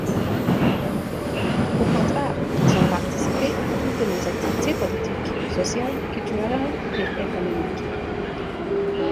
Au contraire, ils ont participé à toutes les activités politiques, sociales, culturelles et économiques.